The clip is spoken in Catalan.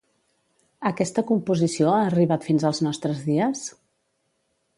Aquesta composició ha arribat fins als nostres dies?